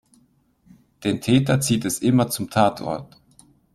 Den Täter zieht es immer zum Tatort.